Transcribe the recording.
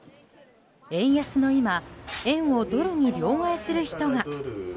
円安の今円をドルに両替する人が。